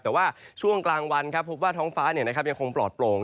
แต่ว่าช่วงกลางวันครับพบว่าท้องฟ้ายังคงปลอดโปร่ง